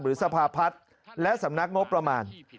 สภาพัฒน์และสำนักงบประมาณ